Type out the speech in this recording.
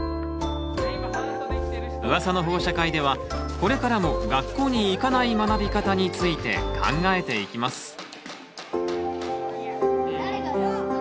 「ウワサの保護者会」ではこれからも学校に行かない学び方について考えていきます。